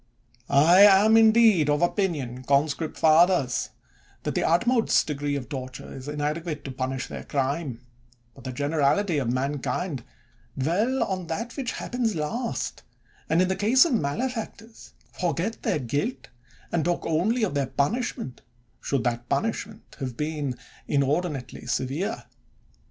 I am indeed of opinion, conscript fathers, that the utmost degree of torture is inadequate to punish their crime; but the generality of man kind dwell on that which happens last, and, in the case of malefactors, forget their guilt, and talk only of their punishment, should that pun ishment have been inordinately severe.